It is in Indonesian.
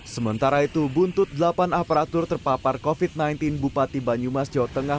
sementara itu buntut delapan aparatur terpapar covid sembilan belas bupati banyumas jawa tengah